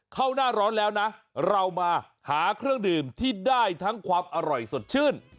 เข้าหน้าร้อนแล้วนะเรามาหาเครื่องดื่มที่ได้ทั้งความอร่อยสดชื่น